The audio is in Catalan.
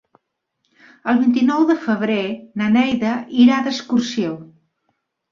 El vint-i-nou de febrer na Neida irà d'excursió.